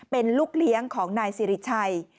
เป็นลูกเลี้ยงของนายสิริชัย